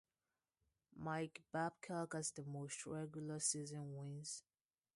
Mike Babcock has the most regular season wins.